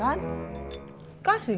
amin gak dikasih